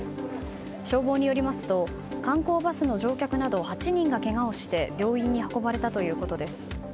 消防によりますと、観光バスの乗客など８人がけがをして病院に運ばれたということです。